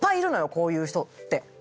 こういう人って。